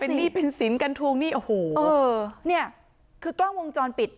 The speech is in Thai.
หนี้เป็นสินกันทวงหนี้โอ้โหเออเนี่ยคือกล้องวงจรปิด